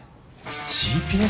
ＧＰＳ？